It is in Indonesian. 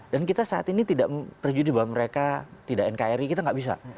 dan kita saat ini tidak prejudik bahwa mereka tidak nkri kita gak bisa